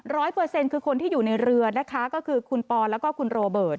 เปอร์เซ็นต์คือคนที่อยู่ในเรือนะคะก็คือคุณปอแล้วก็คุณโรเบิร์ต